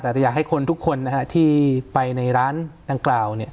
แต่อยากให้คนทุกคนที่ไปในร้านดังกล่าว